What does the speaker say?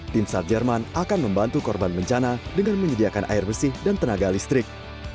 tim sar jerman akan membantu korban bencana dengan menyediakan air bersih dan tenaga listrik